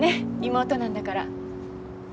妹なんだから。